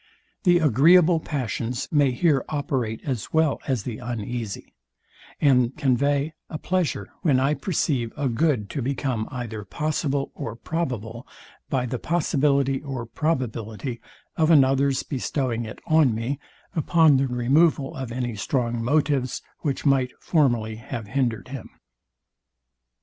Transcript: The agreeable passions may here operate as well as the uneasy, and convey a pleasure when I perceive a good to become either possible or probable by the possibility or probability of another's bestowing it on me, upon the removal of any strong motives, which might formerly have hindered him.